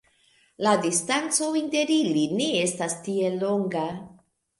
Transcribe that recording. La distanco inter ili ne estas tiel longa.